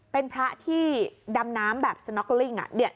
เป็นพระที่ดำน้ำแบบสน็อกลิ่ง